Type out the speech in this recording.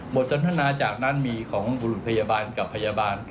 บทสัณธนาจากนั้นมีของบรูปพยาบาลกับพยาบาล